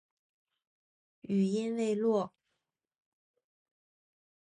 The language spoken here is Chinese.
语音未落